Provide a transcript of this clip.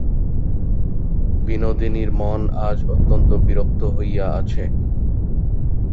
বিনোদিনীর মন আজ অত্যন্ত বিরক্ত হইয়া আছে।